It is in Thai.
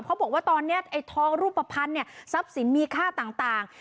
บอกว่าตอนนี้ไอ้ทองรูปภัณฑ์เนี่ยทรัพย์สินมีค่าต่าง